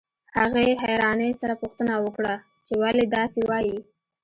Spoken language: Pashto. هغې حيرانۍ سره پوښتنه وکړه چې ولې داسې وايئ.